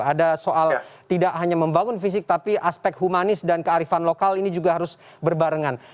ada soal tidak hanya membangun fisik tapi aspek humanis dan kearifan lokal ini juga harus berbarengan